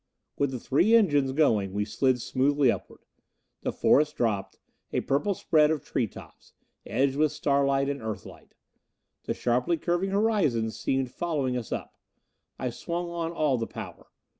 With the three engines going we slid smoothly upward. The forest dropped, a purple spread of tree tops, edged with starlight and Earth light. The sharply curving horizon seemed following us up. I swung on all the power.